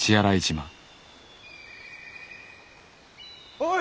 おい！